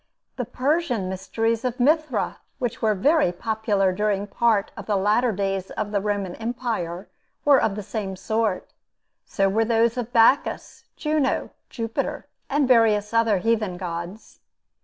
The Persian mysteries of Mithra, which were very popular during part of the latter days of the Roman empire, were of the same sort. So were those of Bacchus, Juno, Jupiter, and various other heathen gods.